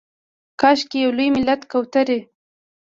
کاشکي یو لوی ملت کوترې